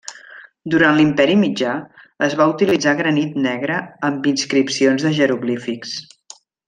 Durant l'Imperi mitjà, es va utilitzar granit negre amb inscripcions de jeroglífics.